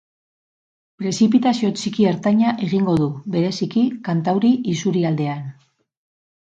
Prezipitazio txiki-ertaina egingo du, bereziki kantauri isurialdean.